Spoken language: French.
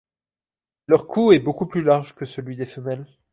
Leur cou est beaucoup plus large que celui des femelles.